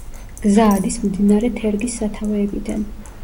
გზა ადის მდინარე თერგის სათავეებიდან.